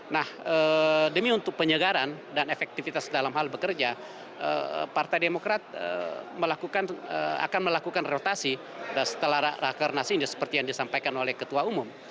nah demi untuk penyegaran dan efektivitas dalam hal bekerja partai demokrat akan melakukan rotasi setelah rakernas ini seperti yang disampaikan oleh ketua umum